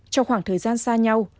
trong khoảng thời gian xa nhau